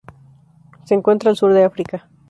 Se encuentra al sur de África.